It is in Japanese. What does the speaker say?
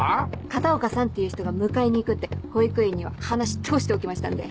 片岡さんっていう人が迎えに行くって保育園には話通しておきましたんで。